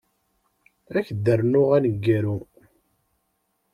Ad ak-d-rnuɣ aneggaru.